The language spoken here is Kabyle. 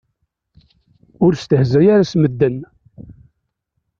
Ur stehzay ara s medden.